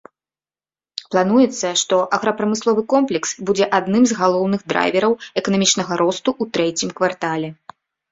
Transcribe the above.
Плануецца, што аграпрамысловы комплекс будзе адным з галоўных драйвераў эканамічнага росту ў трэцім квартале.